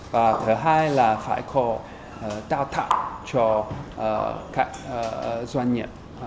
và thứ hai là phải có đào tạo cho các doanh nghiệp